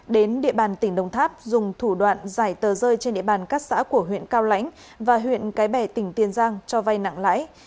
đến địa bàn tỉnh đồng tháp dùng thủ đoạn giải tờ rơi trên địa bàn các xã của huyện cao lãnh và huyện cái bè tỉnh tiền giang cho vay nặng lãi